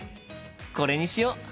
これにしよう！